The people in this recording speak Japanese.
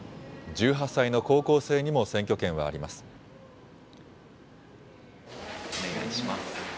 １８歳の高校生にも選挙権はあります。